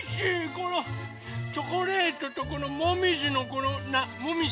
このチョコレートとこのもみじのもみじ